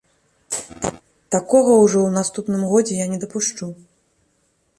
Такога ўжо ў наступным годзе я не дапушчу.